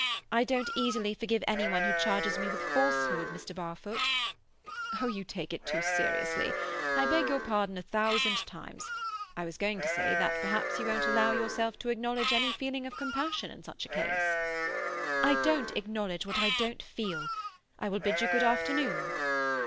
"I don't easily forgive anyone who charges me with falsehood, Mr. Barfoot." "Oh, you take it too seriously. I beg your pardon a thousand times. I was going to say that perhaps you won't allow yourself to acknowledge any feeling of compassion in such a case." "I don't acknowledge what I don't feel. I will bid you good afternoon."